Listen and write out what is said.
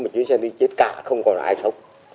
một chuyến xe đi chết cả không còn ai sống